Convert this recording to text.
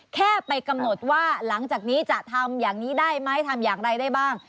แค่ไปกำหนดว่าหลังจากนี้จะทำอย่างนี้ได้ไหมทำอย่างไรได้บ้าง